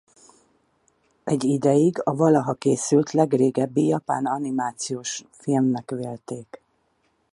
Egy ideig a valaha készült legrégebbi japán animációs filmnek vélték.